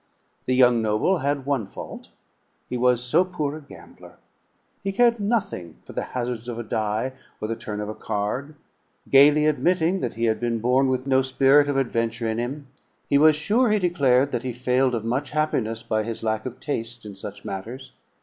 The young noble had one fault, he was so poor a gambler. He cared nothing for the hazards of a die or the turn of a card. Gayly admitting that he had been born with no spirit of adventure in him, he was sure, he declared, that he failed of much happiness by his lack of taste in such matters.